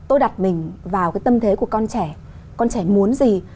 tôi đặt mình vào cái tâm thế của con trẻ con trẻ muốn gì